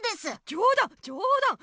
じょうだんじょうだん！